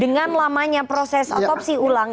dengan lamanya proses otopsi ulang